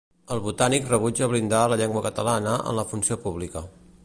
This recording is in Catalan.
El Botànic rebutja blindar la llengua catalana en la funció pública.